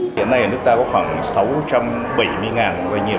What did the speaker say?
hiện nay là nước ta có khoảng sáu trăm bảy mươi người